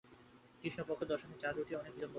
কৃষ্ণপক্ষ দশমীর চাঁদ উঠিতে অনেক বিলম্ব আছে।